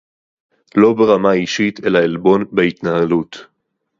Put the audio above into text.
לא ברמה האישית אלא עלבון בהתנהלות